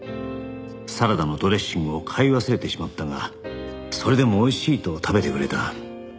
「サラダのドレッシングを買い忘れてしまったがそれでも美味しいと食べてくれた」